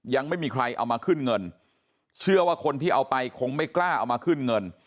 ยังไม่มีใครเอามาขึ้นเงินเชื่อว่าคนที่เอาไปคงไม่กล้าเอามาขึ้นเงิน